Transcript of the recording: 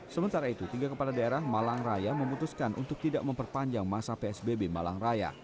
sementara itu tiga kepala daerah malang raya memutuskan untuk tidak memperpanjang masa psbb malang raya